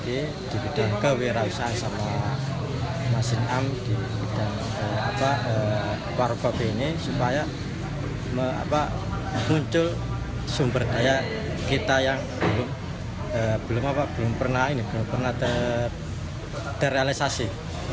kita berdaftar dengan masing masing warung kopi ini supaya muncul sumber daya kita yang belum pernah terrealisasi